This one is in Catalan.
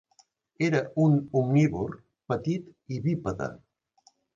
Era un omnívor petit i bípede.